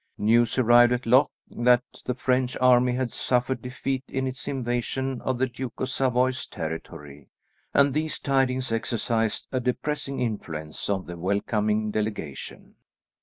News arrived at Loches that the French army had suffered defeat in its invasion of the Duke of Savoy's territory, and these tidings exercised a depressing influence on the welcoming delegation.